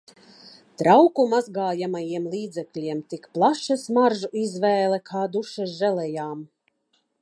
Trauku mazgājamajiem līdzekļiem tik plaša smaržu izvēle kā dušas želejām.